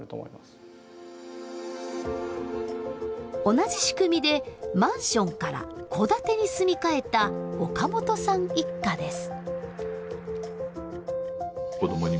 同じ仕組みでマンションから戸建てに住み替えた岡本さん一家です。